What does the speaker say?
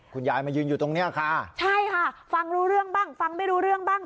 คุณยายมายืนอยู่ตรงเนี้ยค่ะใช่ค่ะฟังรู้เรื่องบ้างฟังไม่รู้เรื่องบ้าง